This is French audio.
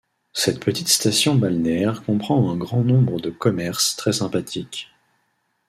Cette petite station balnéaire comprend un grand nombre de commerces très sympathiques.